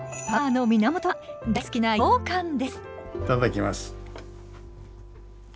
いただきます。